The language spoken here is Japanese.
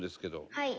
はい。